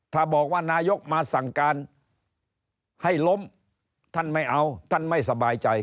ถ้าบอกว่านายกมาสั่งการให้ล้มท่านไม่เอาท่านไม่สบายใจ